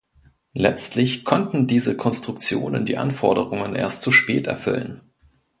Letztlich konnten diese Konstruktionen die Anforderungen erst zu spät erfüllen.